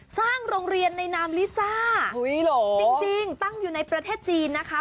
สร้างโรงเรียนในนามลิซ่าจริงตั้งอยู่ในประเทศจีนนะคะ